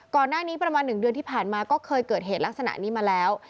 ก่อนหน้านี้ประมาณ๑เดือนที่ผ่านมาก็เคยเกิดเหตุลักษณะนี้มาแล้ว